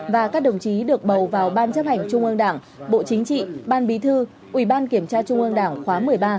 và các đồng chí được bầu vào ban chấp hành trung ương đảng bộ chính trị ban bí thư ủy ban kiểm tra trung ương đảng khóa một mươi ba